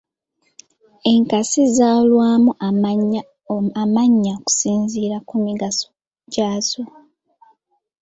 Enkasi zaawulwamu amannya okusinziira ku migaso gyazo.